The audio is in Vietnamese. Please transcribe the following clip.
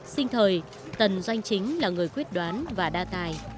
sinh thời tần doanh chính là người quyết đoán và đa tài